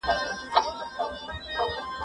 زه مخکي پلان جوړ کړی وو!!